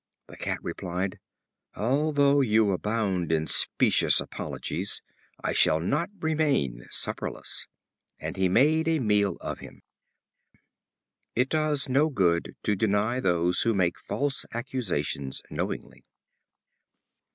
The Cat replied: "Although you abound in specious apologies, I shall not remain supperless;" and he made a meal of him. It does no good to deny those who make false accusations knowingly.